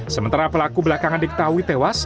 sementara pelaku belakangan diketahui tewas